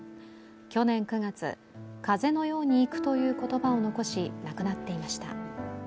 去年９月、風のように逝くという言葉を残し亡くなっていました。